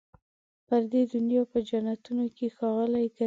پر دې دنیا په جنتونو کي ښاغلي ګرځي